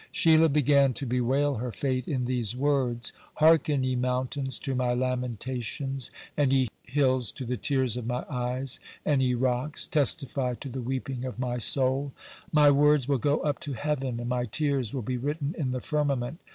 Sheilah began to bewail her fate in these words: "Hearken, ye mountains, to my lamentations, and ye hills, to the tears of my eyes, and ye rocks, testify to the weeping of my soul. My words will go up to heaven, and my tears will be written in the firmament.